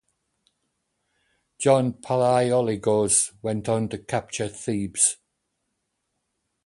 John Palaiologos went on to capture Thebes.